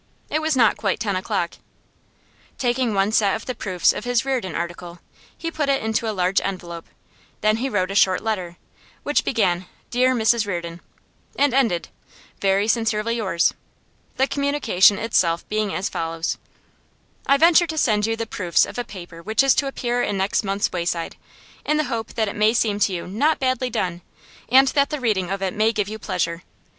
It was not quite ten o'clock. Taking one set of the proofs of his 'Reardon' article, he put it into a large envelope; then he wrote a short letter, which began 'Dear Mrs Reardon,' and ended 'Very sincerely yours,' the communication itself being as follows: 'I venture to send you the proofs of a paper which is to appear in next month's Wayside, in the hope that it may seem to you not badly done, and that the reading of it may give you pleasure.